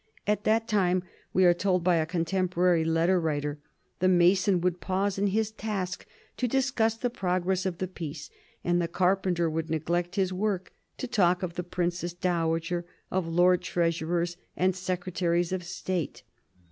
At that time, we are told by a contemporary letter writer, the mason would pause in his task to discuss the progress of the peace, and the carpenter would neglect his work to talk of the Princess Dowager, of Lord Treasurers and Secretaries of State.